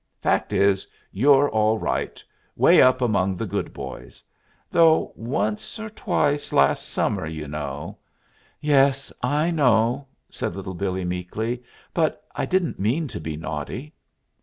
Fact is, you're all right 'way up among the good boys; though once or twice last summer, you know " "Yes, I know," said Little Billee meekly, "but I didn't mean to be naughty."